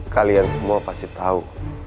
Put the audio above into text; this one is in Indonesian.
kalian semua pasti tahu